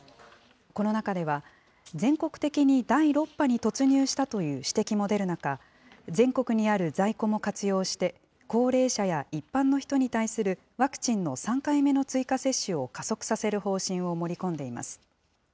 この中では、全国的に第６波に突入したという指摘も出る中、全国にある在庫も活用して高齢者や一般の人に対するワクチンの３回目の追加接種を加速させる方針を盛り込んでいます。